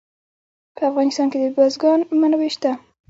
په افغانستان کې د بزګان منابع شته.